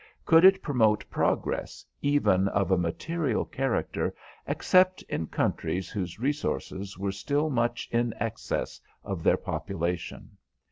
Could it promote progress even of a material character except in countries whose resources were still much in excess of their population?